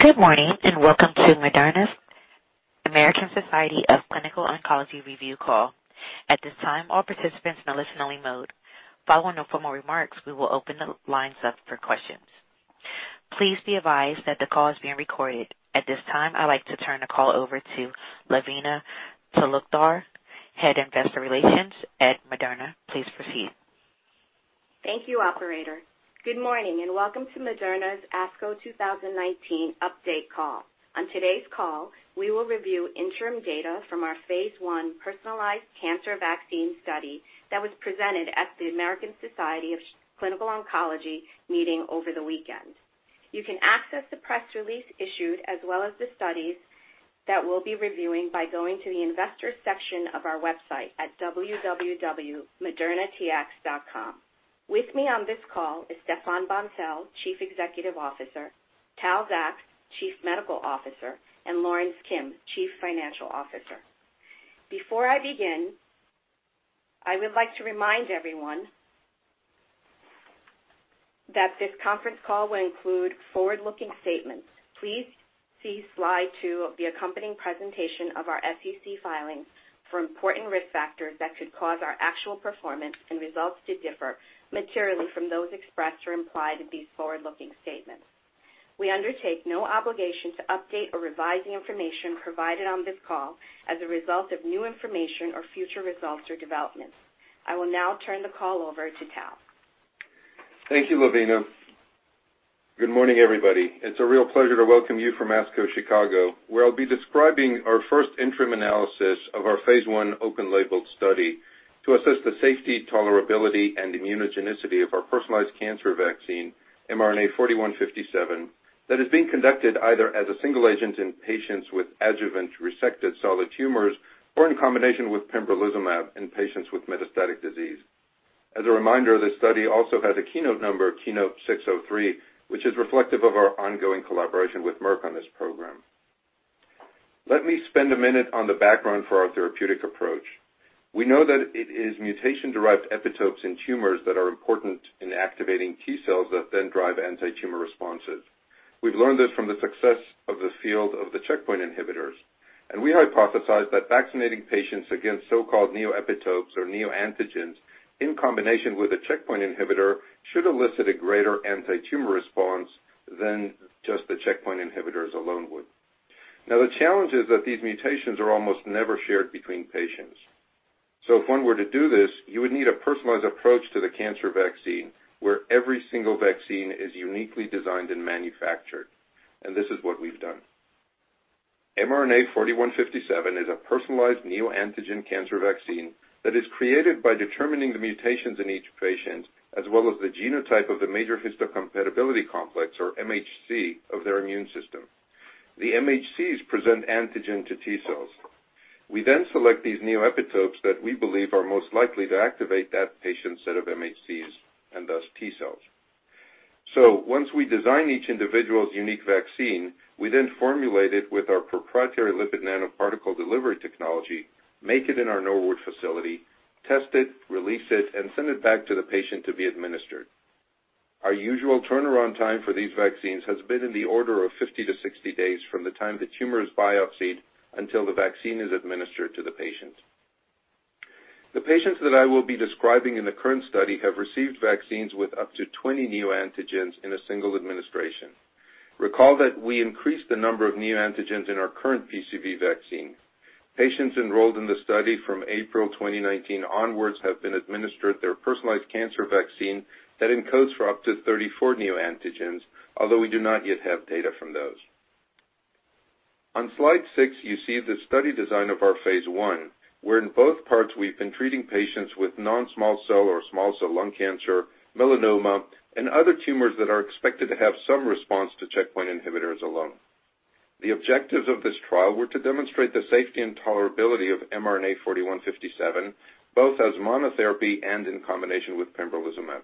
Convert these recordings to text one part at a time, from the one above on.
Good morning, welcome to Moderna's American Society of Clinical Oncology review call. At this time, all participants are in listen only mode. Following the formal remarks, we will open the lines up for questions. Please be advised that the call is being recorded. At this time, I'd like to turn the call over to Lavina Talukdar, Head of Investor Relations at Moderna. Please proceed. Thank you, operator. Good morning, welcome to Moderna's ASCO 2019 update call. On today's call, we will review interim data from our phase I personalized cancer vaccine study that was presented at the American Society of Clinical Oncology meeting over the weekend. You can access the press release issued as well as the studies that we'll be reviewing by going to the investor section of our website at www.modernatx.com. With me on this call is Stéphane Bancel, Chief Executive Officer, Tal Zaks, Chief Medical Officer, and Lorence Kim, Chief Financial Officer. Before I begin, I would like to remind everyone that this conference call will include forward-looking statements. Please see slide two of the accompanying presentation of our SEC filings for important risk factors that could cause our actual performance and results to differ materially from those expressed or implied in these forward-looking statements. We undertake no obligation to update or revise the information provided on this call as a result of new information or future results or developments. I will now turn the call over to Tal. Thank you, Lavina. Good morning, everybody. It's a real pleasure to welcome you from ASCO Chicago, where I'll be describing our first interim analysis of our phase I open label study to assess the safety, tolerability, and immunogenicity of our personalized cancer vaccine, mRNA-4157, that is being conducted either as a single agent in patients with adjuvant resected solid tumors or in combination with pembrolizumab in patients with metastatic disease. As a reminder, this study also has a KEYNOTE number of KEYNOTE-603, which is reflective of our ongoing collaboration with Merck on this program. Let me spend a minute on the background for our therapeutic approach. We know that it is mutation-derived epitopes in tumors that are important in activating T cells that then drive anti-tumor responses. We've learned this from the success of the field of the checkpoint inhibitors, and we hypothesized that vaccinating patients against so-called neoepitopes or neoantigens in combination with a checkpoint inhibitor should elicit a greater anti-tumor response than just the checkpoint inhibitors alone would. Now, the challenge is that these mutations are almost never shared between patients. If one were to do this, you would need a personalized approach to the cancer vaccine where every single vaccine is uniquely designed and manufactured, and this is what we've done. mRNA-4157 is a personalized neoantigen cancer vaccine that is created by determining the mutations in each patient, as well as the genotype of the major histocompatibility complex, or MHC, of their immune system. The MHCs present antigen to T cells. We select these neoepitopes that we believe are most likely to activate that patient's set of MHCs and thus T cells. Once we design each individual's unique vaccine, we then formulate it with our proprietary lipid nanoparticle delivery technology, make it in our Norwood facility, test it, release it, and send it back to the patient to be administered. Our usual turnaround time for these vaccines has been in the order of 50 to 60 days from the time the tumor is biopsied until the vaccine is administered to the patient. The patients that I will be describing in the current study have received vaccines with up to 20 neoantigens in a single administration. Recall that we increased the number of neoantigens in our current PCV vaccine. Patients enrolled in the study from April 2019 onwards have been administered their personalized cancer vaccine that encodes for up to 34 neoantigens, although we do not yet have data from those. On slide six, you see the study design of our phase I, where in both parts, we've been treating patients with non-small cell or small cell lung cancer, melanoma, and other tumors that are expected to have some response to checkpoint inhibitors alone. The objectives of this trial were to demonstrate the safety and tolerability of mRNA-4157, both as monotherapy and in combination with pembrolizumab.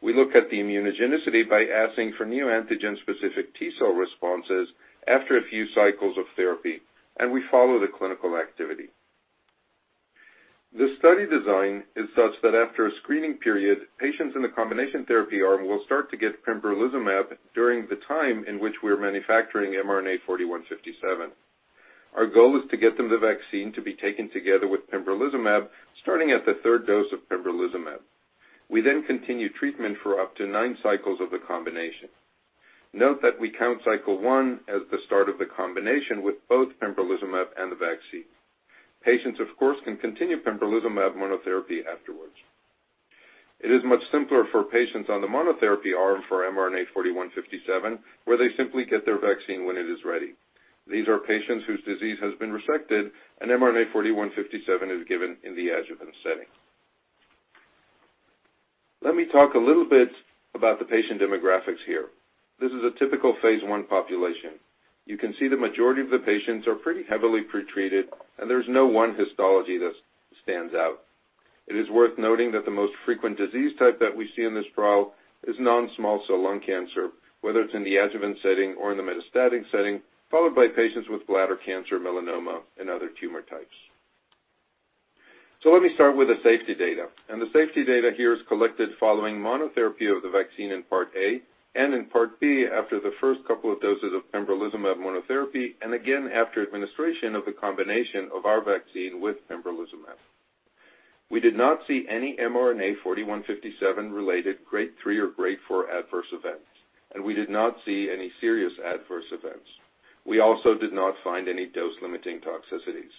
We look at the immunogenicity by asking for neoantigen specific T cell responses after a few cycles of therapy, and we follow the clinical activity. The study design is such that after a screening period, patients in the combination therapy arm will start to get pembrolizumab during the time in which we're manufacturing mRNA-4157. Our goal is to get them the vaccine to be taken together with pembrolizumab, starting at the third dose of pembrolizumab. We continue treatment for up to nine cycles of the combination. Note that we count cycle one as the start of the combination with both pembrolizumab and the vaccine. Patients, of course, can continue pembrolizumab monotherapy afterwards. It is much simpler for patients on the monotherapy arm for mRNA-4157, where they simply get their vaccine when it is ready. These are patients whose disease has been resected, and mRNA-4157 is given in the adjuvant setting. Let me talk a little bit about the patient demographics here. This is a typical phase I population. You can see the majority of the patients are pretty heavily pretreated, and there's no one histology that stands out. It is worth noting that the most frequent disease type that we see in this trial is non-small cell lung cancer, whether it's in the adjuvant setting or in the metastatic setting, followed by patients with bladder cancer, melanoma, and other tumor types. Let me start with the safety data. The safety data here is collected following monotherapy of the vaccine in part A, and in part B, after the first couple of doses of pembrolizumab monotherapy, and again after administration of the combination of our vaccine with pembrolizumab. We did not see any mRNA-4157 related grade 3 or grade 4 adverse events, and we did not see any serious adverse events. We also did not find any dose-limiting toxicities.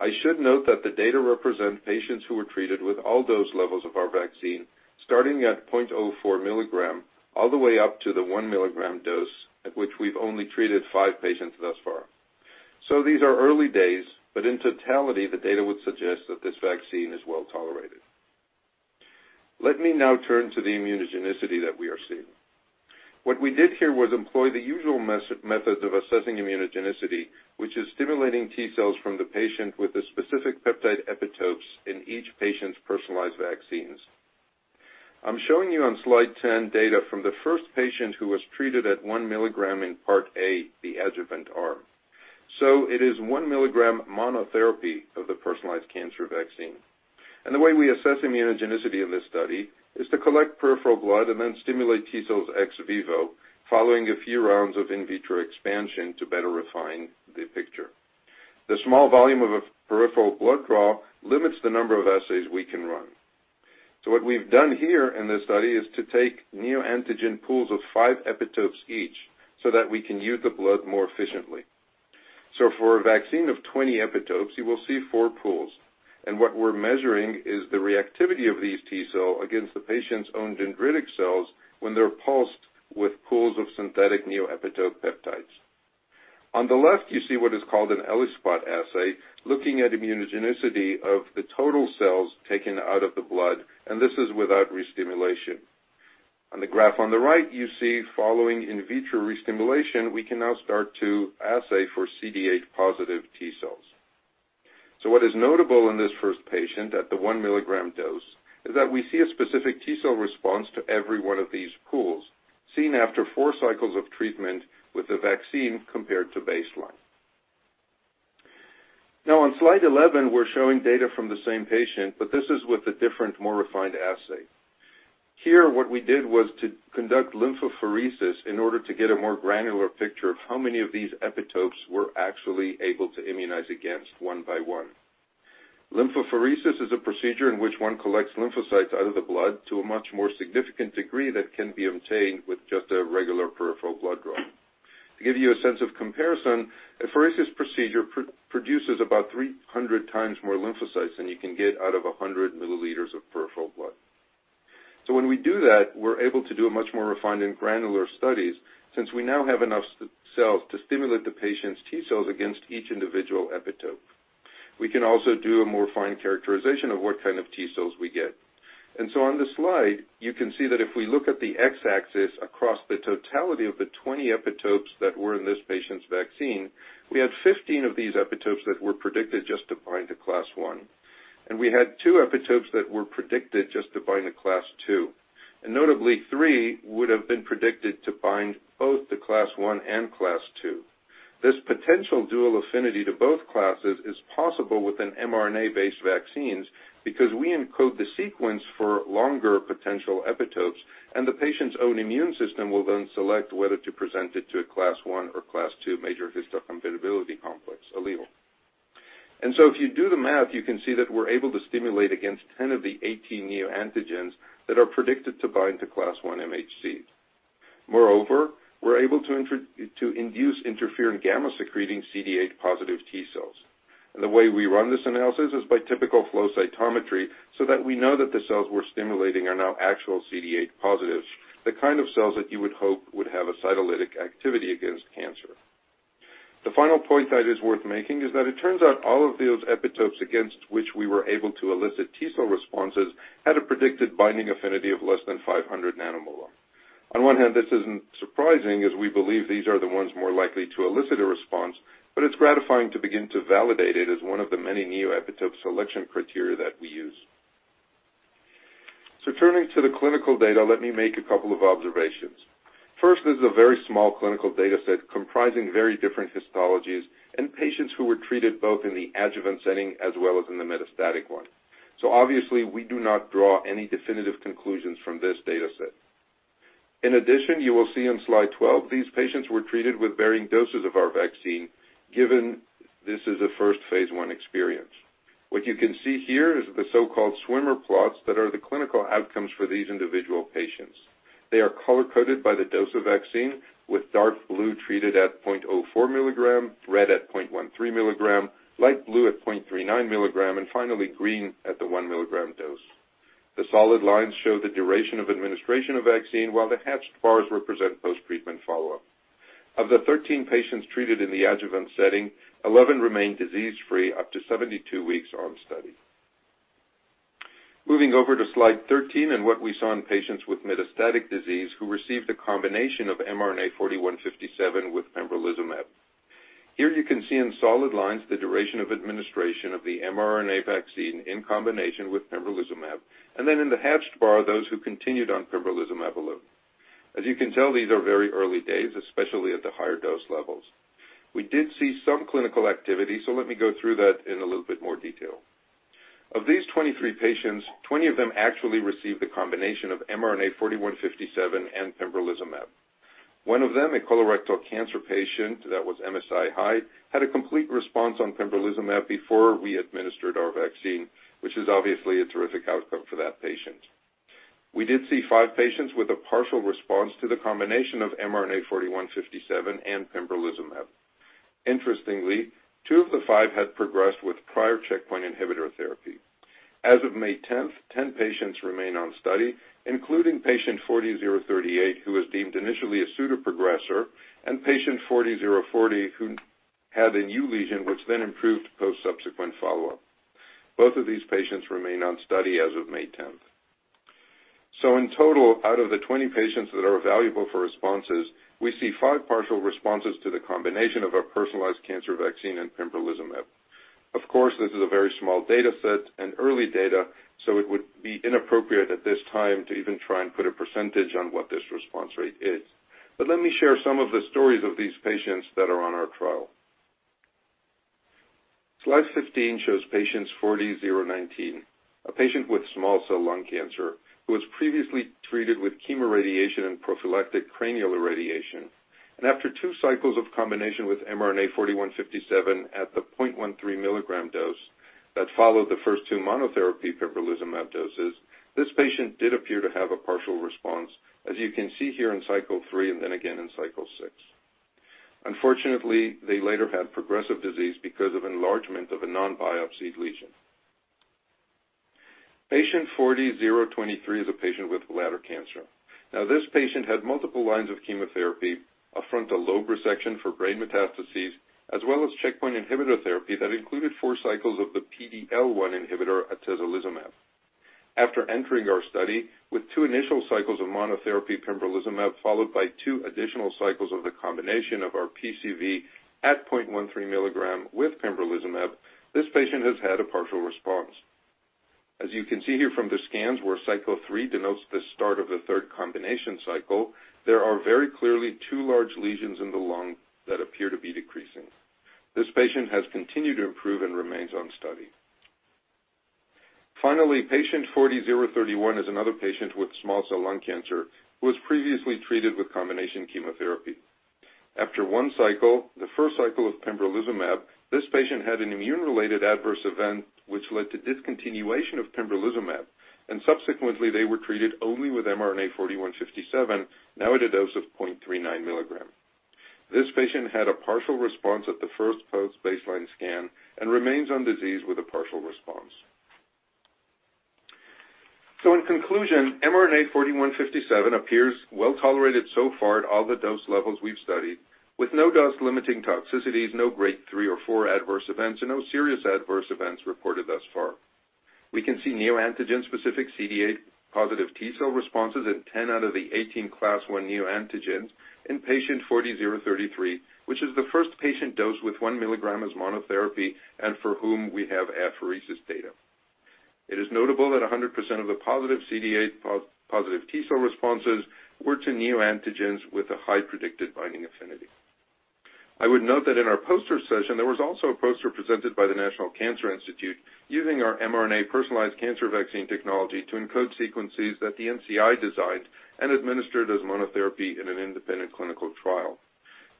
I should note that the data represent patients who were treated with all dose levels of our vaccine, starting at 0.04 milligram all the way up to the one milligram dose, at which we've only treated five patients thus far. These are early days, but in totality, the data would suggest that this vaccine is well-tolerated. Let me now turn to the immunogenicity that we are seeing. What we did here was employ the usual method of assessing immunogenicity, which is stimulating T cells from the patient with the specific peptide epitopes in each patient's personalized vaccines. I'm showing you on slide 10 data from the first patient who was treated at one milligram in part A, the adjuvant arm. It is one milligram monotherapy of the personalized cancer vaccine. The way we assess immunogenicity of this study is to collect peripheral blood and then stimulate T cells ex vivo following a few rounds of in vitro expansion to better refine the picture. The small volume of a peripheral blood draw limits the number of assays we can run. What we've done here in this study is to take neoantigen pools of five epitopes each, so that we can use the blood more efficiently. For a vaccine of 20 epitopes, you will see four pools. What we're measuring is the reactivity of these T cell against the patient's own dendritic cells when they're pulsed with pools of synthetic neoepitope peptides. On the left, you see what is called an ELISpot assay, looking at immunogenicity of the total cells taken out of the blood, and this is without re-stimulation. On the graph on the right, you see following in vitro re-stimulation, we can now start to assay for CD8+ T cells. What is notable in this first patient at the one milligram dose is that we see a specific T cell response to every one of these pools, seen after four cycles of treatment with the vaccine compared to baseline. On slide 11, we're showing data from the same patient, but this is with a different, more refined assay. Here, what we did was to conduct leukapheresis in order to get a more granular picture of how many of these epitopes were actually able to immunize against one by one. Leukapheresis is a procedure in which one collects lymphocytes out of the blood to a much more significant degree that can be obtained with just a regular peripheral blood draw. To give you a sense of comparison, a leukapheresis procedure produces about 300 times more lymphocytes than you can get out of 100 milliliters of peripheral blood. When we do that, we're able to do a much more refined and granular studies, since we now have enough cells to stimulate the patient's T cells against each individual epitope. We can also do a more fine characterization of what kind of T cells we get. On the slide, you can see that if we look at the X-axis across the totality of the 20 epitopes that were in this patient's vaccine, we had 15 of these epitopes that were predicted just to bind to class 1. We had 2 epitopes that were predicted just to bind to class 2. Notably, 3 would have been predicted to bind both to class 1 and class 2. This potential dual affinity to both classes is possible within mRNA-based vaccines because we encode the sequence for longer potential epitopes, and the patient's own immune system will then select whether to present it to a class 1 or class 2 major histocompatibility complex allele. If you do the math, you can see that we're able to stimulate against 10 of the 18 neoantigens that are predicted to bind to class 1 MHC. Moreover, we're able to induce interferon gamma secreting CD8+ T cells. The way we run this analysis is by typical flow cytometry so that we know that the cells we're stimulating are now actual CD8+, the kind of cells that you would hope would have a cytolytic activity against cancer. The final point that is worth making is that it turns out all of those epitopes against which we were able to elicit T cell responses had a predicted binding affinity of less than 500 nanomolar. On one hand, this isn't surprising, as we believe these are the ones more likely to elicit a response, but it's gratifying to begin to validate it as one of the many neoepitope selection criteria that we use. Turning to the clinical data, let me make a couple of observations. First is the very small clinical data set comprising very different histologies and patients who were treated both in the adjuvant setting as well as in the metastatic one. Obviously, we do not draw any definitive conclusions from this data set. In addition, you will see on slide 12, these patients were treated with varying doses of our vaccine, given this is a first phase I experience. What you can see here is the so-called swimmer plots that are the clinical outcomes for these individual patients. They are color-coded by the dose of vaccine, with dark blue treated at 0.04 milligram, red at 0.13 milligram, light blue at 0.39 milligram, and finally green at the one milligram dose. The solid lines show the duration of administration of vaccine, while the hatched bars represent post-treatment follow-up. Of the 13 patients treated in the adjuvant setting, 11 remained disease-free up to 72 weeks on study. Moving over to slide 13 and what we saw in patients with metastatic disease who received a combination of mRNA-4157 with pembrolizumab. Here you can see in solid lines the duration of administration of the mRNA vaccine in combination with pembrolizumab, and then in the hatched bar, those who continued on pembrolizumab alone. As you can tell, these are very early days, especially at the higher dose levels. We did see some clinical activity, so let me go through that in a little bit more detail. Of these 23 patients, 20 of them actually received the combination of mRNA-4157 and pembrolizumab. One of them, a colorectal cancer patient that was MSI-H, had a complete response on pembrolizumab before we administered our vaccine, which is obviously a terrific outcome for that patient. We did see five patients with a partial response to the combination of mRNA-4157 and pembrolizumab. Interestingly, two of the five had progressed with prior checkpoint inhibitor therapy. As of May 10th, 10 patients remain on study, including patient 40-038, who was deemed initially a pseudoprogressor, and patient 40-040, who had a new lesion, which then improved post subsequent follow-up. Both of these patients remain on study as of May 10th. In total, out of the 20 patients that are valuable for responses, we see five partial responses to the combination of our personalized cancer vaccine and pembrolizumab. Of course, this is a very small data set and early data, so it would be inappropriate at this time to even try and put a % on what this response rate is. Let me share some of the stories of these patients that are on our trial. Slide 15 shows patients 40-019, a patient with small cell lung cancer who was previously treated with chemoradiation and prophylactic cranial irradiation. After two cycles of combination with mRNA-4157 at the 0.13 milligram dose that followed the first two monotherapy pembrolizumab doses, this patient did appear to have a partial response, as you can see here in cycle 3 and then again in cycle 6. Unfortunately, they later had progressive disease because of enlargement of a non-biopsied lesion. Patient 40-023 is a patient with bladder cancer. Now, this patient had multiple lines of chemotherapy, a frontal lobe resection for brain metastases, as well as checkpoint inhibitor therapy that included four cycles of the PD-L1 inhibitor atezolizumab. After entering our study with two initial cycles of monotherapy pembrolizumab followed by two additional cycles of the combination of our PCV at 0.13 milligram with pembrolizumab, this patient has had a partial response. As you can see here from the scans where cycle 3 denotes the start of the third combination cycle, there are very clearly two large lesions in the lung that appear to be decreasing. This patient has continued to improve and remains on study. Finally, patient 40-031 is another patient with small cell lung cancer who was previously treated with combination chemotherapy. After one cycle, the first cycle of pembrolizumab, this patient had an immune-related adverse event which led to discontinuation of pembrolizumab, and subsequently they were treated only with mRNA-4157, now at a dose of 0.39 milligrams. This patient had a partial response at the first post-baseline scan and remains on disease with a partial response. In conclusion, mRNA-4157 appears well tolerated so far at all the dose levels we've studied, with no dose limiting toxicities, no Grade 3 or 4 adverse events, and no serious adverse events reported thus far. We can see neoantigen specific CD8 positive T cell responses in 10 out of the 18 Class 1 neoantigens in patient 40-033, which is the first patient dose with one milligram as monotherapy and for whom we have apheresis data. It is notable that 100% of the positive CD8 positive T cell responses were to neoantigens with a high predicted binding affinity. I would note that in our poster session, there was also a poster presented by the National Cancer Institute using our mRNA personalized cancer vaccine technology to encode sequences that the NCI designed and administered as monotherapy in an independent clinical trial.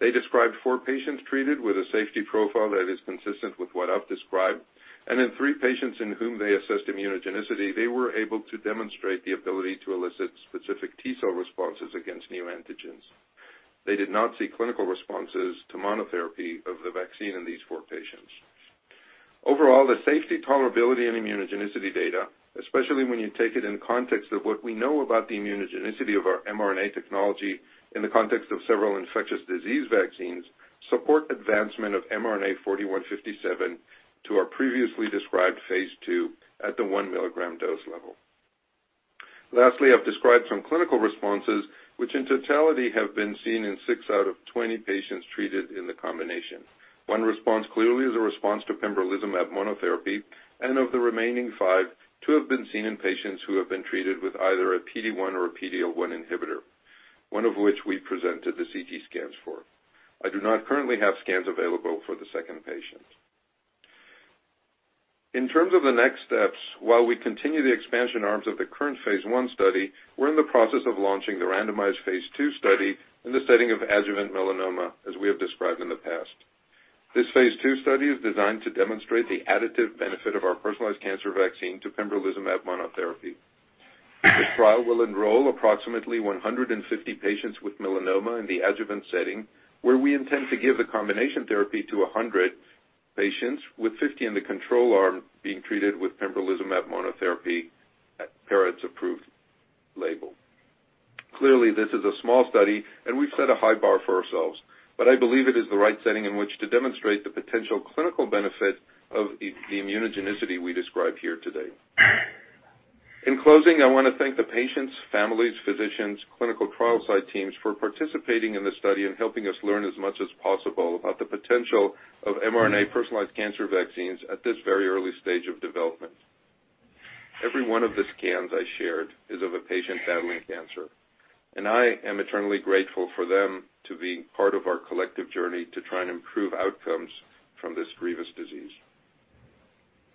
They described four patients treated with a safety profile that is consistent with what I've described, and in three patients in whom they assessed immunogenicity, they were able to demonstrate the ability to elicit specific T cell responses against neoantigens. They did not see clinical responses to monotherapy of the vaccine in these four patients. Overall, the safety, tolerability, and immunogenicity data, especially when you take it in context of what we know about the immunogenicity of our mRNA technology in the context of several infectious disease vaccines, support advancement of mRNA-4157 to our previously described phase II at the one milligram dose level. Lastly, I've described some clinical responses which in totality have been seen in six out of 20 patients treated in the combination. One response clearly is a response to pembrolizumab monotherapy, and of the remaining five, two have been seen in patients who have been treated with either a PD-1 or a PD-L1 inhibitor, one of which we presented the CT scans for. I do not currently have scans available for the second patient. In terms of the next steps, while we continue the expansion arms of the current phase I study, we're in the process of launching the randomized phase II study in the setting of adjuvant melanoma, as we have described in the past. This phase II study is designed to demonstrate the additive benefit of our personalized cancer vaccine to pembrolizumab monotherapy. This trial will enroll approximately 150 patients with melanoma in the adjuvant setting, where we intend to give the combination therapy to 100 patients, with 50 in the control arm being treated with pembrolizumab monotherapy at Pembro's approved label. This is a small study and we've set a high bar for ourselves, I believe it is the right setting in which to demonstrate the potential clinical benefit of the immunogenicity we describe here today. In closing, I want to thank the patients, families, physicians, clinical trial site teams for participating in this study and helping us learn as much as possible about the potential of mRNA personalized cancer vaccines at this very early stage of development. Every one of the scans I shared is of a patient battling cancer, and I am eternally grateful for them to be part of our collective journey to try and improve outcomes from this grievous disease.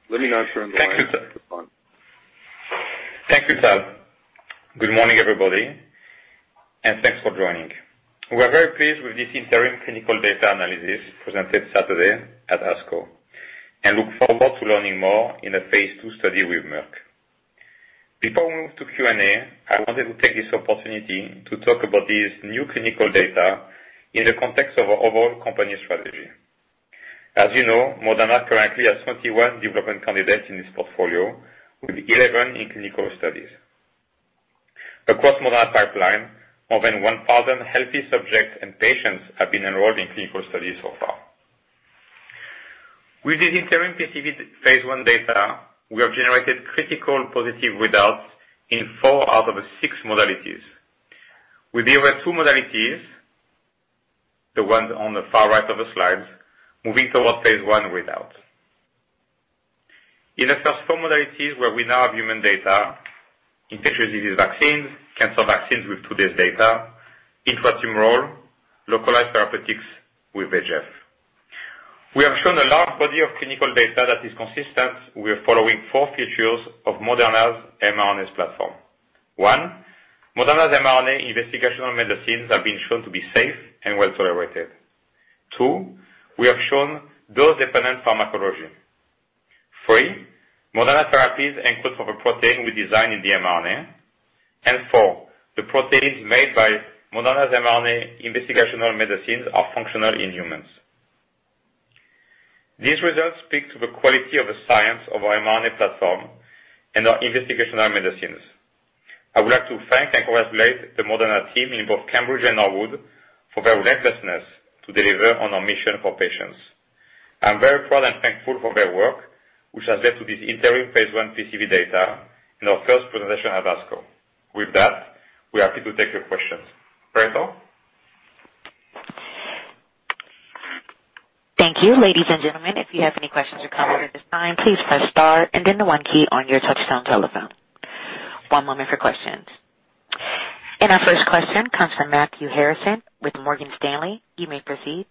Let me now turn the line over to Stéphane Bancel. Thank you, Tal. Good morning, everybody, thanks for joining. We're very pleased with this interim clinical data analysis presented Saturday at ASCO and look forward to learning more in a phase II study with Merck. Before we move to Q&A, I wanted to take this opportunity to talk about these new clinical data in the context of our overall company strategy. As you know, Moderna currently has 21 development candidates in its portfolio, with 11 in clinical studies. Across Moderna pipeline, more than 1,000 healthy subjects and patients have been enrolled in clinical studies so far. With this interim PCV phase I data, we have generated critical positive results in four out of the six modalities. With the other two modalities, the ones on the far right of the slides, moving toward phase I results. In the first four modalities where we now have human data, infectious disease vaccines, cancer vaccines with today's data, intratumoral, localized therapeutics with OX40. We have shown a large body of clinical data that is consistent with following four features of Moderna's mRNA platform. One, Moderna's mRNA investigational medicines have been shown to be safe and well tolerated. Two, we have shown dose-dependent pharmacology. Three, Moderna therapies encode for a protein we design in the mRNA. Four, the proteins made by Moderna's mRNA investigational medicines are functional in humans. These results speak to the quality of the science of our mRNA platform and our investigational medicines. I would like to thank and congratulate the Moderna team in both Cambridge and Norwood for their relentlessness to deliver on our mission for patients. I'm very proud and thankful for their work, which has led to this interim phase I PCV data in our first presentation at ASCO. With that, we are happy to take your questions. Rachel? Thank you. Ladies and gentlemen, if you have any questions or comments at this time, please press star and then the 1 key on your touchtone telephone. One moment for questions. Our first question comes from Matthew Harrison with Morgan Stanley. You may proceed.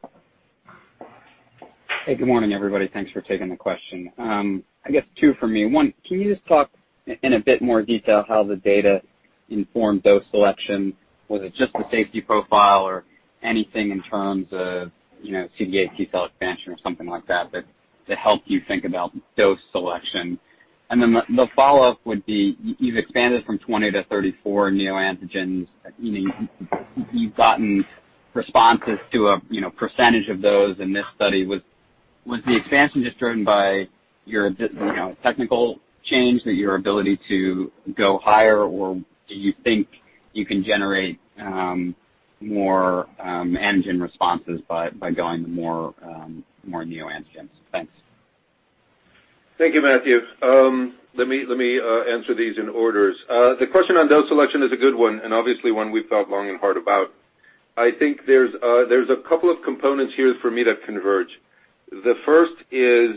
Hey, good morning, everybody. Thanks for taking the question. I guess 2 from me. 1, can you just talk in a bit more detail how the data informed dose selection? Was it just the safety profile or anything in terms of CD8 T cell expansion or something like that helped you think about dose selection? The follow-up would be, you've expanded from 20 to 34 neoantigens. You've gotten responses to a percentage of those in this study. Was the expansion just driven by your technical change, that your ability to go higher, or do you think you can generate more antigen responses by going more neoantigens? Thanks. Thank you, Matthew. Let me answer these in order. The question on dose selection is a good one, and obviously one we've thought long and hard about. I think there's a couple of components here for me that converge. The first is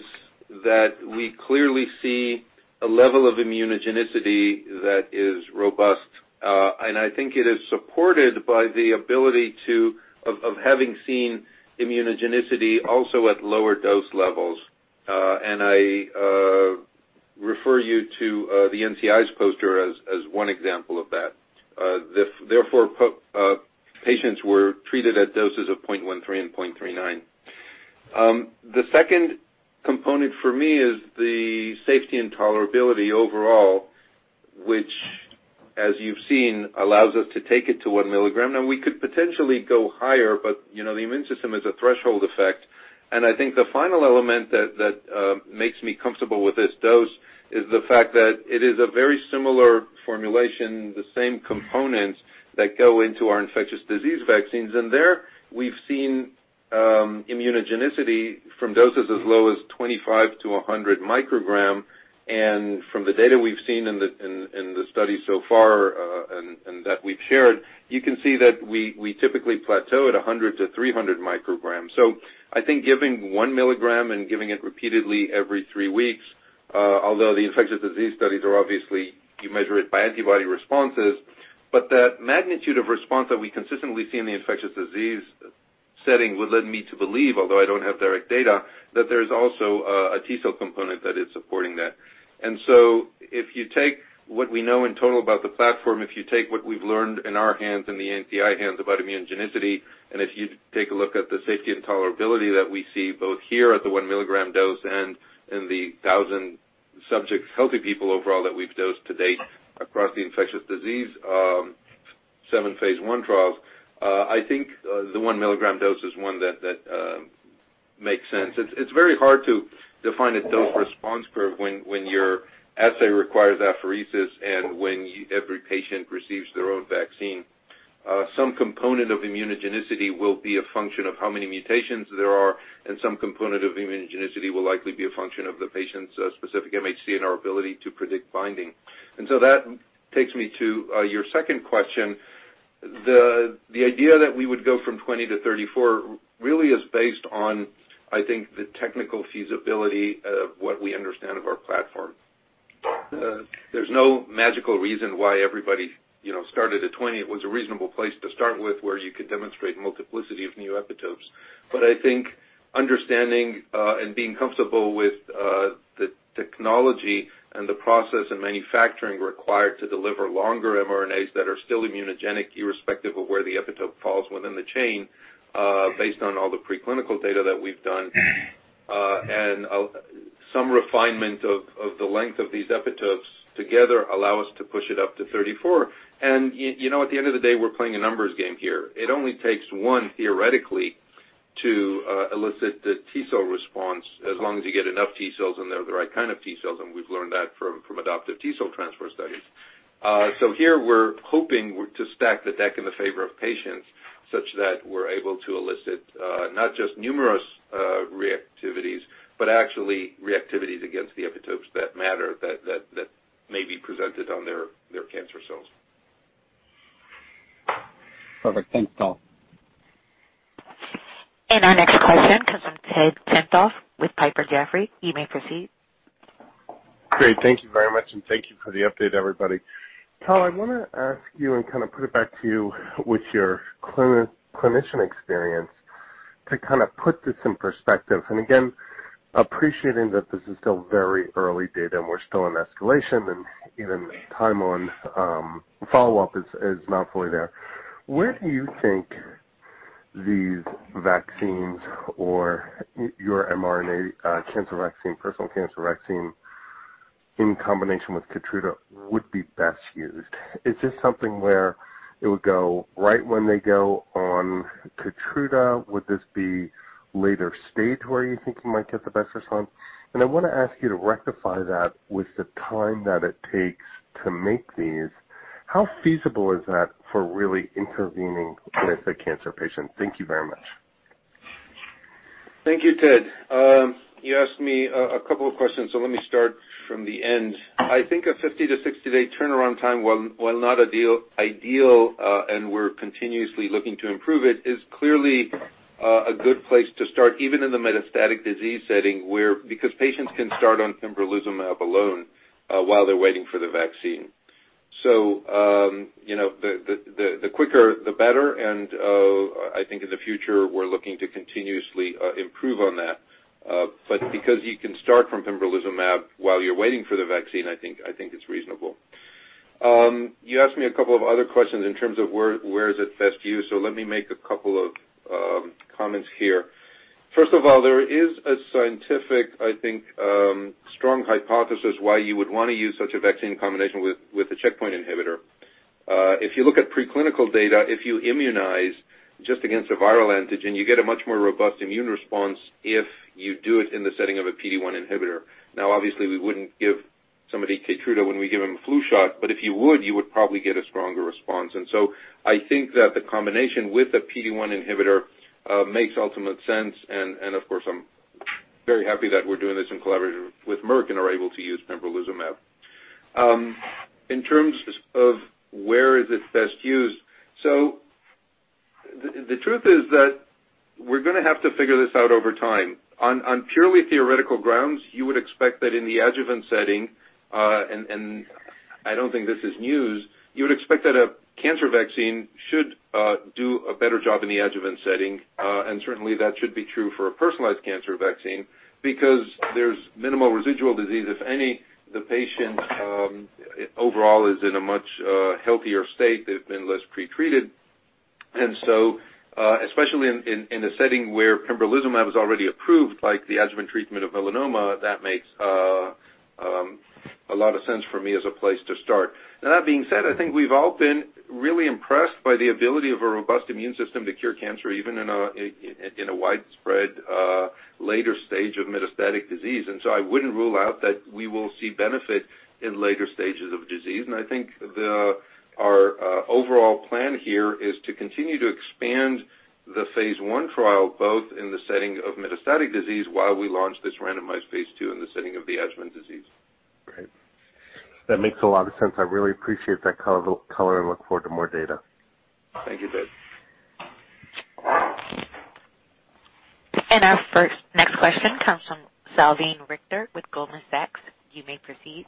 that we clearly see a level of immunogenicity that is robust, and I think it is supported by the ability of having seen immunogenicity also at lower dose levels. I refer you to the NCI's poster as one example of that. Therefore, patients were treated at doses of 0.13 and 0.39. The second component for me is the safety and tolerability overall, which as you've seen, allows us to take it to one milligram. Now we could potentially go higher, but the immune system is a threshold effect. I think the final element that makes me comfortable with this dose is the fact that it is a very similar formulation, the same components that go into our infectious disease vaccines, and there we've seen immunogenicity from doses as low as 25 to 100 microgram, from the data we've seen in the study so far and that we've shared, you can see that we typically plateau at 100 to 300 micrograms. I think giving one milligram and giving it repeatedly every three weeks, although the infectious disease studies are obviously, you measure it by antibody responses. That magnitude of response that we consistently see in the infectious disease setting would lead me to believe, although I don't have direct data, that there's also a T-cell component that is supporting that. If you take what we know in total about the platform, if you take what we've learned in our hands and the NCI hands about immunogenicity, if you take a look at the safety and tolerability that we see both here at the 1 milligram dose and in the 1,000 subjects, healthy people overall that we've dosed to date across the infectious disease 7 phase I trials, I think the 1 milligram dose is one that makes sense. It's very hard to define a dose response curve when your assay requires apheresis and when every patient receives their own vaccine. Some component of immunogenicity will be a function of how many mutations there are, and some component of immunogenicity will likely be a function of the patient's specific MHC and our ability to predict binding. That takes me to your second question. The idea that we would go from 20 to 34 really is based on, I think, the technical feasibility of what we understand of our platform. There's no magical reason why everybody started at 20. It was a reasonable place to start with, where you could demonstrate multiplicity of new epitopes. But I think understanding and being comfortable with the technology and the process and manufacturing required to deliver longer mRNAs that are still immunogenic, irrespective of where the epitope falls within the chain, based on all the preclinical data that we've done, and some refinement of the length of these epitopes together allow us to push it up to 34. At the end of the day, we're playing a numbers game here. It only takes one, theoretically, to elicit the T cell response, as long as you get enough T cells, and they're the right kind of T cells, and we've learned that from adoptive T cell transfer studies. Here we're hoping to stack the deck in the favor of patients such that we're able to elicit not just numerous reactivities, but actually reactivities against the epitopes that matter, that may be presented on their cancer cells. Perfect. Thanks, Tal. Our next question comes from Ted Tenthoff with Piper Jaffray. You may proceed. Great. Thank you very much, and thank you for the update, everybody. Tal, I want to ask you, put it back to you with your clinician experience to put this in perspective. Again, appreciating that this is still very early data and we're still in escalation and even time on follow-up is not fully there. Where do you think these vaccines or your mRNA cancer vaccine, personal cancer vaccine in combination with KEYTRUDA would be best used? Is this something where it would go right when they go on KEYTRUDA? Would this be later stage where you think you might get the best response? I want to ask you to rectify that with the time that it takes to make these. How feasible is that for really intervening with a cancer patient? Thank you very much. Thank you, Ted. You asked me a couple of questions, let me start from the end. I think a 50- to 60-day turnaround time, while not ideal, and we're continuously looking to improve it, is clearly a good place to start, even in the metastatic disease setting, because patients can start on pembrolizumab alone while they're waiting for the vaccine. The quicker the better, and I think in the future, we're looking to continuously improve on that. Because you can start from pembrolizumab while you're waiting for the vaccine, I think it's reasonable. You asked me a couple of other questions in terms of where is it best used, let me make a couple of comments here. First of all, there is a scientific, I think, strong hypothesis why you would want to use such a vaccine combination with a checkpoint inhibitor. If you look at preclinical data, if you immunize just against a viral antigen, you get a much more robust immune response if you do it in the setting of a PD-1 inhibitor. Now, obviously, we wouldn't give somebody KEYTRUDA when we give them a flu shot, but if you would, you would probably get a stronger response. I think that the combination with a PD-1 inhibitor makes ultimate sense, and of course, I'm very happy that we're doing this in collaboration with Merck and are able to use pembrolizumab. In terms of where is it best used, the truth is that we're going to have to figure this out over time. On purely theoretical grounds, you would expect that in the adjuvant setting, I don't think this is news, you would expect that a cancer vaccine should do a better job in the adjuvant setting, certainly that should be true for a personalized cancer vaccine because there's minimal residual disease. If any, the patient overall is in a much healthier state. They've been less pretreated. Especially in a setting where pembrolizumab is already approved, like the adjuvant treatment of melanoma, that makes a lot of sense for me as a place to start. Now, that being said, I think we've all been really impressed by the ability of a robust immune system to cure cancer, even in a widespread later stage of metastatic disease. I wouldn't rule out that we will see benefit in later stages of disease. I think our overall plan here is to continue to expand the phase I trial, both in the setting of metastatic disease while we launch this randomized phase II in the setting of the adjuvant disease. Great. That makes a lot of sense. I really appreciate that color and look forward to more data. Thank you, Ted. Our next question comes from Salveen Richter with Goldman Sachs. You may proceed.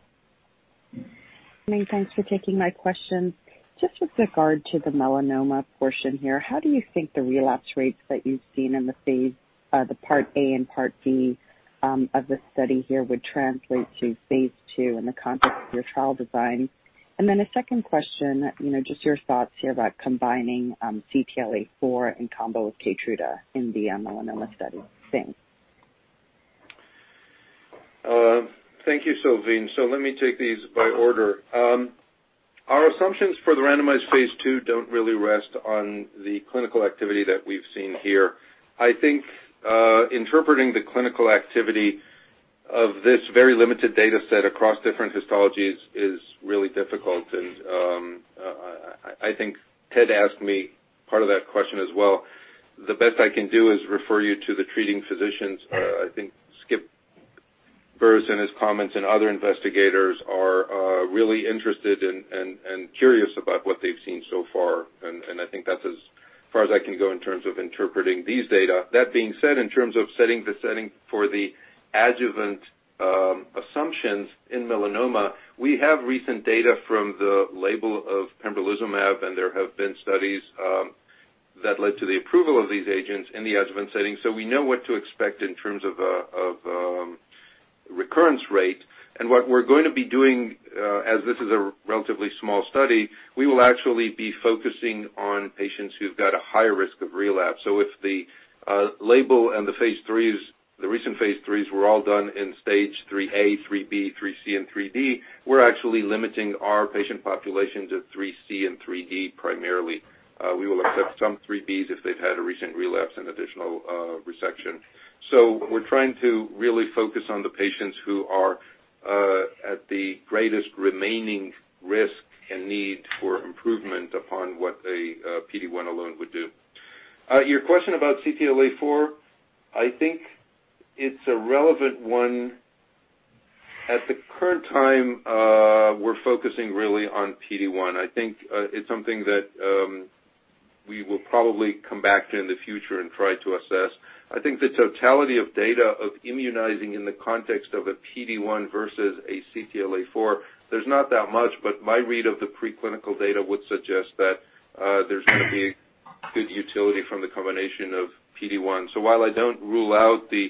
Thanks for taking my question. Just with regard to the melanoma portion here, how do you think the relapse rates that you've seen in the part A and part B of the study here would translate to phase II in the context of your trial design? A second question, just your thoughts here about combining CTLA-4 in combo with KEYTRUDA in the melanoma study. Thanks. Thank you, Salveen. Let me take these by order. Our assumptions for the randomized phase II don't really rest on the clinical activity that we've seen here. I think interpreting the clinical activity of this very limited data set across different histologies is really difficult, and I think Ted asked me part of that question as well. The best I can do is refer you to the treating physicians, I think Skip Burris in his comments and other investigators are really interested and curious about what they've seen so far. I think that's as far as I can go in terms of interpreting these data. That being said, in terms of setting the setting for the adjuvant assumptions in melanoma, we have recent data from the label of pembrolizumab, there have been studies that led to the approval of these agents in the adjuvant setting, so we know what to expect in terms of recurrence rate. What we're going to be doing, as this is a relatively small study, we will actually be focusing on patients who've got a higher risk of relapse. If the label and the recent phase IIIs were all done in Stage 3A, 3B, 3C and 3D, we're actually limiting our patient population to 3C and 3D primarily. We will accept some 3Bs if they've had a recent relapse and additional resection. We're trying to really focus on the patients who are at the greatest remaining risk and need for improvement upon what a PD-1 alone would do. Your question about CTLA-4, I think it's a relevant one. At the current time, we're focusing really on PD-1. I think it's something that we will probably come back to in the future and try to assess. I think the totality of data of immunizing in the context of a PD-1 versus a CTLA-4, there's not that much, but my read of the preclinical data would suggest that there's going to be good utility from the combination of PD-1. While I don't rule out the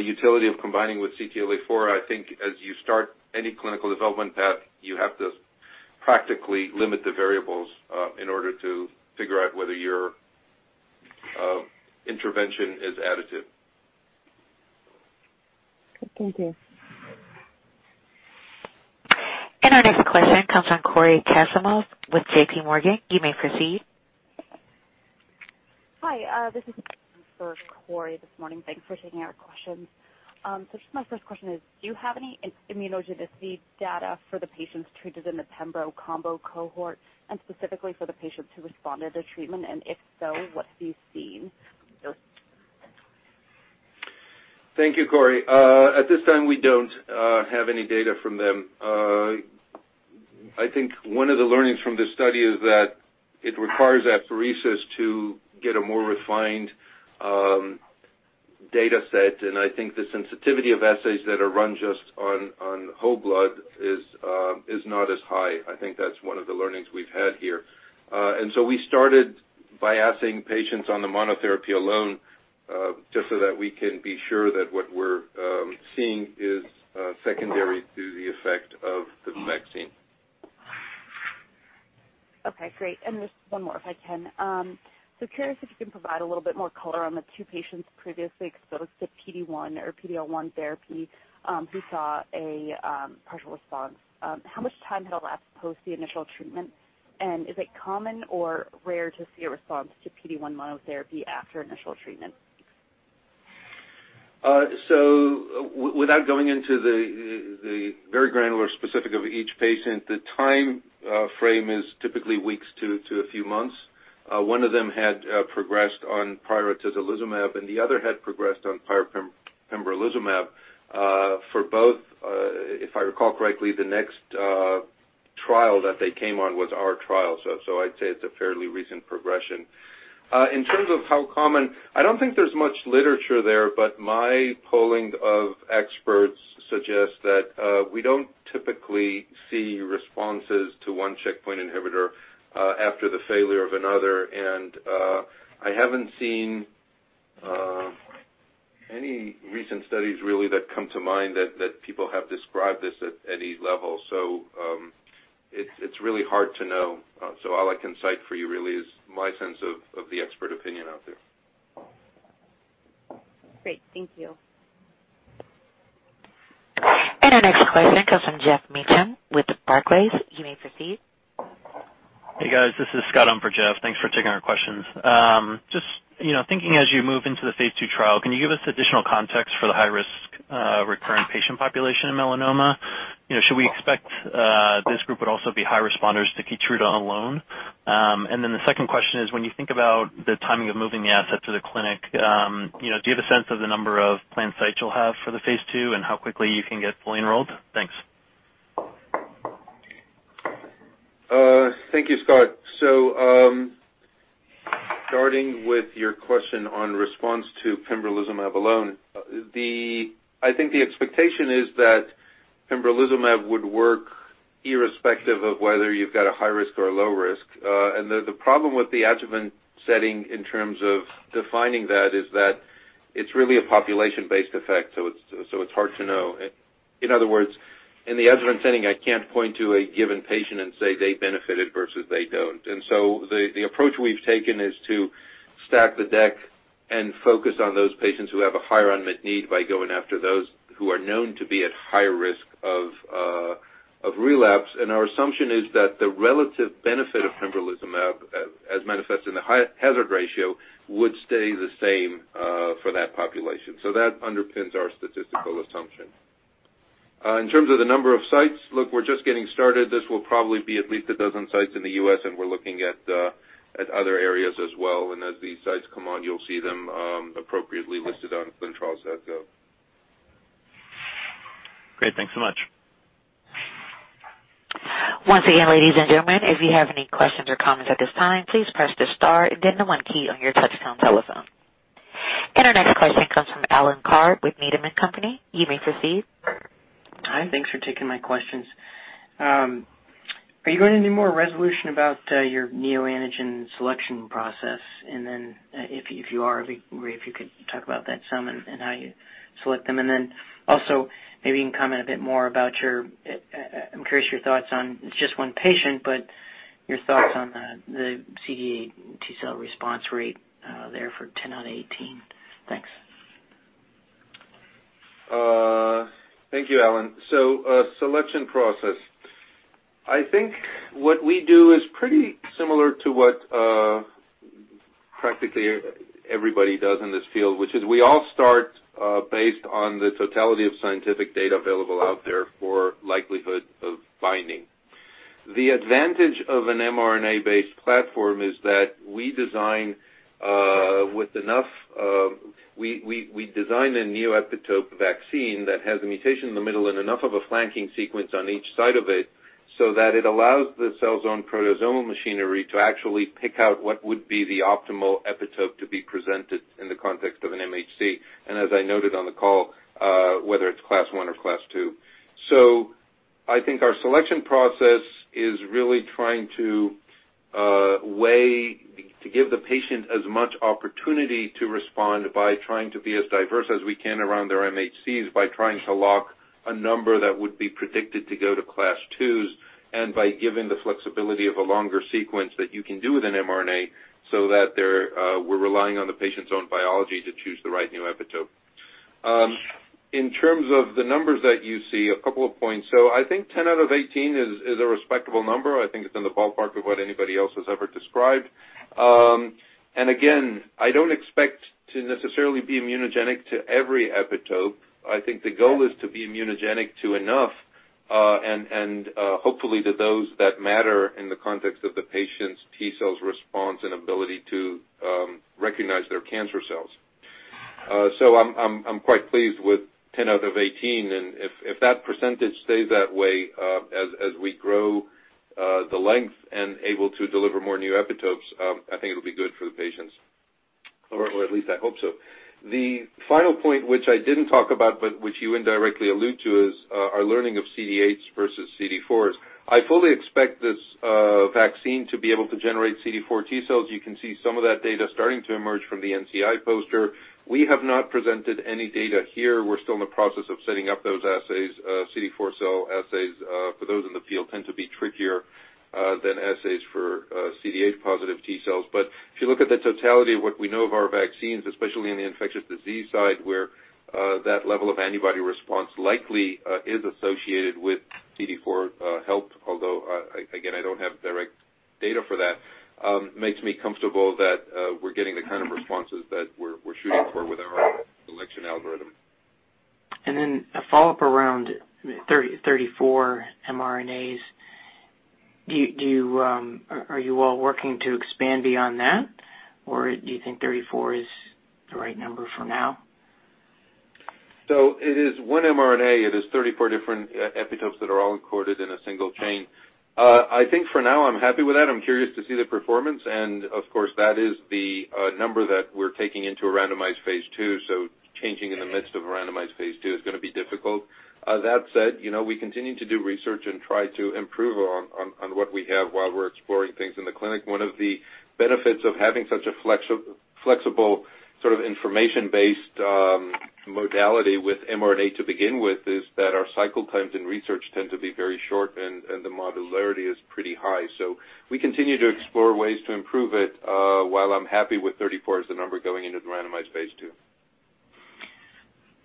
utility of combining with CTLA-4, I think as you start any clinical development path, you have to practically limit the variables in order to figure out whether your intervention is additive. Thank you. Our next question comes from Cory Kasimov with JPMorgan. You may proceed. Hi, this is Cory. This morning, thanks for taking our questions. Just my first question is, do you have any immunogenicity data for the patients treated in the Pembro combo cohort and specifically for the patients who responded to treatment? If so, what have you seen? Thank you, Cory. At this time, we don't have any data from them. I think one of the learnings from this study is that it requires apheresis to get a more refined data set, and I think the sensitivity of assays that are run just on whole blood is not as high. I think that's one of the learnings we've had here. We started by assaying patients on the monotherapy alone just so that we can be sure that what we're seeing is secondary to the effect of the vaccine. Okay, great. Just one more, if I can. Curious if you can provide a little bit more color on the two patients previously exposed to PD-1 or PD-L1 therapy who saw a partial response. How much time had elapsed post the initial treatment, and is it common or rare to see a response to PD-1 monotherapy after initial treatment? Without going into the very granular specific of each patient, the time frame is typically weeks to a few months. One of them had progressed on prior atezolizumab, and the other had progressed on prior pembrolizumab. For both, if I recall correctly, the next trial that they came on was our trial. I'd say it's a fairly recent progression. In terms of how common, I don't think there's much literature there, but my polling of experts suggests that we don't typically see responses to one checkpoint inhibitor after the failure of another. I haven't seen any recent studies really that come to mind that people have described this at any level. It's really hard to know. All I can cite for you really is my sense of the expert opinion out there. Great. Thank you. Our next question comes from Geoff Meacham with Barclays. You may proceed. Hey, guys, this is Scott on for Geoff. Thanks for taking our questions. Thinking as you move into the phase II trial, can you give us additional context for the high-risk recurrent patient population in melanoma? Should we expect this group would also be high responders to KEYTRUDA alone? The second question is, when you think about the timing of moving the asset to the clinic, do you have a sense of the number of planned sites you'll have for the phase II and how quickly you can get fully enrolled? Thanks. Thank you, Scott. Starting with your question on response to pembrolizumab alone. I think the expectation is that pembrolizumab would work irrespective of whether you've got a high risk or a low risk. The problem with the adjuvant setting in terms of defining that is that it's really a population-based effect, so it's hard to know. In other words, in the adjuvant setting, I can't point to a given patient and say they benefited versus they don't. The approach we've taken is to stack the deck and focus on those patients who have a higher unmet need by going after those who are known to be at higher risk of relapse. Our assumption is that the relative benefit of pembrolizumab, as manifested in the hazard ratio, would stay the same for that population. That underpins our statistical assumption. In terms of the number of sites, look, we're just getting started. This will probably be at least a dozen sites in the U.S., and we're looking at other areas as well. As the sites come on, you'll see them appropriately listed on ClinicalTrials.gov. Great. Thanks so much. Once again, ladies and gentlemen, if you have any questions or comments at this time, please press the star and then the one key on your touchtone telephone. Our next question comes from Alan Carr with Needham & Company. You may proceed. Hi. Thanks for taking my questions. Are you going to do more resolution about your neoantigen selection process? Then, if you are, if you could talk about that some and how you select them. Then also, maybe you can comment a bit more, I'm curious your thoughts on, it's just one patient, but your thoughts on the CD8 T cell response rate there for 10 out of 18. Thanks. Thank you, Alan. Selection process. I think what we do is pretty similar to what practically everybody does in this field, which is we all start based on the totality of scientific data available out there for likelihood of binding. The advantage of an mRNA-based platform is that we design a neoepitope vaccine that has a mutation in the middle and enough of a flanking sequence on each side of it so that it allows the cell's own proteasomal machinery to actually pick out what would be the optimal epitope to be presented in the context of an MHC, and as I noted on the call, whether it's class 1 or class 2. I think our selection process is really trying to weigh, to give the patient as much opportunity to respond by trying to be as diverse as we can around their MHCs, by trying to lock a number that would be predicted to go to class 2s, and by giving the flexibility of a longer sequence that you can do with an mRNA, that we're relying on the patient's own biology to choose the right new epitope. In terms of the numbers that you see, a couple of points. I think 10 out of 18 is a respectable number. I think it's in the ballpark of what anybody else has ever described. Again, I don't expect to necessarily be immunogenic to every epitope. I think the goal is to be immunogenic to enough, hopefully to those that matter in the context of the patient's T cells response and ability to recognize their cancer cells. I'm quite pleased with 10 out of 18, if that percentage stays that way as we grow the length and able to deliver more new epitopes, I think it'll be good for the patients, or at least I hope so. The final point, which I didn't talk about, but which you indirectly allude to, is our learning of CD8s versus CD4s. I fully expect this vaccine to be able to generate CD4 T cells. You can see some of that data starting to emerge from the NCI poster. We have not presented any data here. We're still in the process of setting up those assays. CD4 cell assays, for those in the field, tend to be trickier than assays for CD8 positive T cells. If you look at the totality of what we know of our vaccines, especially in the infectious disease side, where that level of antibody response likely is associated with CD4 help, although again, I don't have direct data for that, makes me comfortable that we're getting the kind of responses that we're shooting for with our selection algorithm. Then a follow-up around 34 mRNAs. Are you all working to expand beyond that, or do you think 34 is the right number for now? It is one mRNA. It is 34 different epitopes that are all encoded in a single chain. I think for now, I'm happy with that. I'm curious to see the performance, and of course, that is the number that we're taking into a randomized phase II, so changing in the midst of a randomized phase II is going to be difficult. That said, we continue to do research and try to improve on what we have while we're exploring things in the clinic. One of the benefits of having such a flexible sort of information-based modality with mRNA to begin with is that our cycle times in research tend to be very short, and the modularity is pretty high. We continue to explore ways to improve it, while I'm happy with 34 as the number going into the randomized phase II.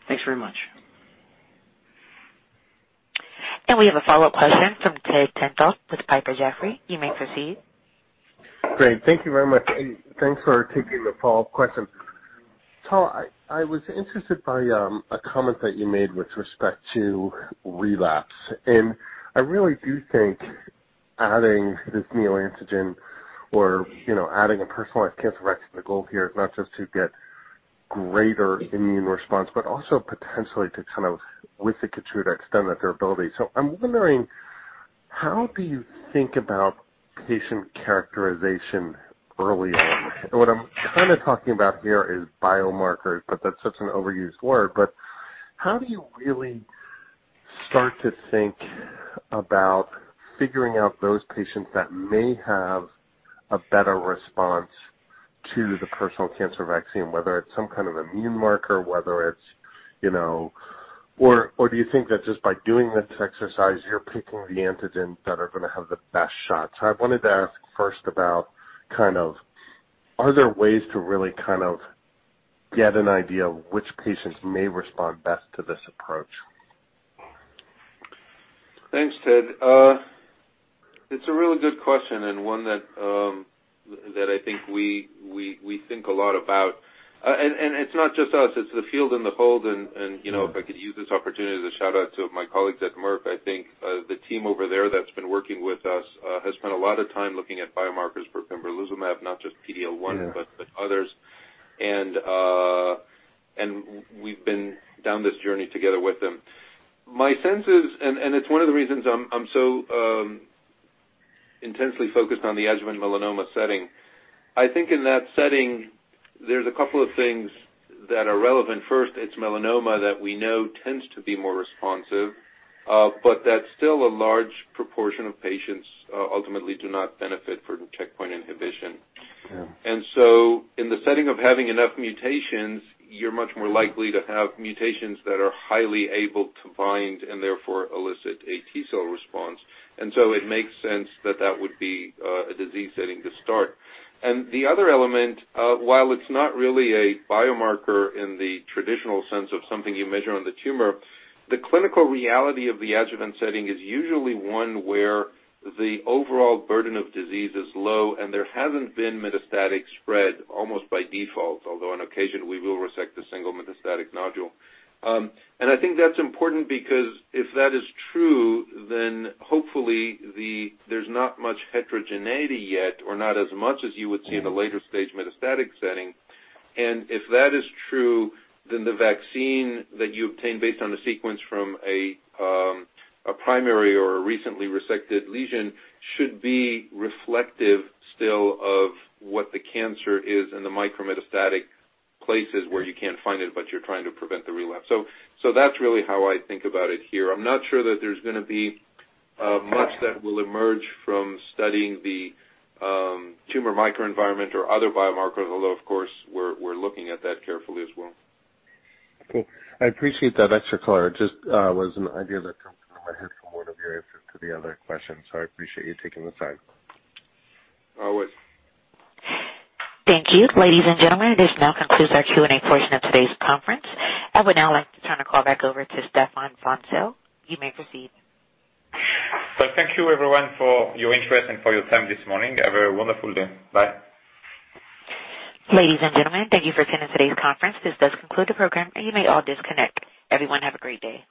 Thanks very much. We have a follow-up question from Ted Tenthoff with Piper Jaffray. You may proceed. Great. Thank you very much. Thanks for taking the follow-up question. Tal, I was interested by a comment that you made with respect to relapse, and I really do think adding this neoantigen or adding a personalized cancer vaccine, the goal here is not just to get greater immune response, but also potentially to kind of, with the KEYTRUDA, extend that durability. I'm wondering, how do you think about patient characterization early on? What I'm kind of talking about here is biomarkers, but that's such an overused word. How do you really start to think about figuring out those patients that may have a better response to the personal cancer vaccine, whether it's some kind of immune marker. Do you think that just by doing this exercise, you're picking the antigens that are going to have the best shot? I wanted to ask first about are there ways to really get an idea of which patients may respond best to this approach? Thanks, Ted. It's a really good question and one that I think we think a lot about. It's not just us, it's the field and the whole and if I could use this opportunity as a shout-out to my colleagues at Merck, I think the team over there that's been working with us has spent a lot of time looking at biomarkers for pembrolizumab, not just PD-L1 but others. We've been down this journey together with them. My sense is, and it's one of the reasons I'm so intensely focused on the adjuvant melanoma setting. I think in that setting, there's a couple of things that are relevant. First, it's melanoma that we know tends to be more responsive. That's still a large proportion of patients ultimately do not benefit from checkpoint inhibition. Yeah. In the setting of having enough mutations, you're much more likely to have mutations that are highly able to bind and therefore elicit a T cell response. It makes sense that that would be a disease setting to start. The other element, while it's not really a biomarker in the traditional sense of something you measure on the tumor, the clinical reality of the adjuvant setting is usually one where the overall burden of disease is low and there hasn't been metastatic spread almost by default, although on occasion, we will resect a single metastatic nodule. I think that's important because if that is true, then hopefully there's not much heterogeneity yet or not as much as you would see in a later stage metastatic setting. If that is true, then the vaccine that you obtain based on the sequence from a primary or a recently resected lesion should be reflective still of what the cancer is in the micrometastatic places where you can't find it, but you're trying to prevent the relapse. That's really how I think about it here. I'm not sure that there's going to be much that will emerge from studying the tumor microenvironment or other biomarkers, although, of course, we're looking at that carefully as well. Cool. I appreciate that extra color. It just was an idea that comes into my head from one of your answers to the other questions. I appreciate you taking the time. Always. Thank you. Ladies and gentlemen, this now concludes our Q&A portion of today's conference. I would now like to turn the call back over to Stéphane Bancel. You may proceed. Thank you everyone for your interest and for your time this morning. Have a wonderful day. Bye. Ladies and gentlemen, thank you for attending today's conference. This does conclude the program, and you may all disconnect. Everyone have a great day.